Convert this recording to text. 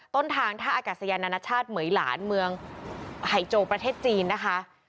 ต้นทางท่าอากาศยานานาชาติเหมือยหลานเมืองไฮโจประเทศจีนนะคะ